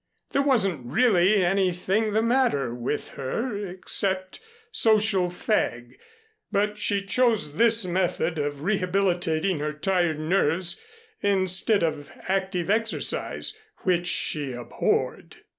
There wasn't really anything the matter with her except social fag, but she chose this method of rehabilitating her tired nerves instead of active exercise which she abhorred.